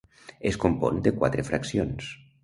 Es compon de quatre fraccions.